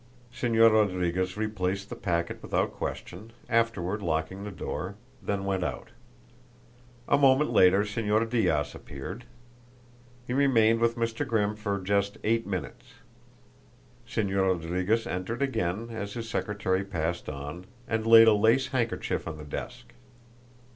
Señor Rodriguez replaced the packet without question, afterward locking the door, then went out. A moment later Señor Diaz appeared. He remained with Mr. Grimm for just eight minutes. Señor Rodriguez entered again as his secretary passed on, and laid a lace handkerchief on the desk.